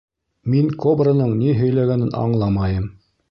— Мин кобраның ни һөйләгәнен аңламайым.